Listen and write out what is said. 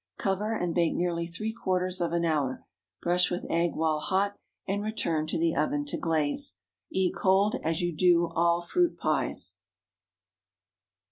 Cover, and bake nearly three quarters of an hour. Brush with egg while hot, and return to the oven to glaze. Eat cold, as you do all fruit pies.